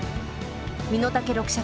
身の丈六尺。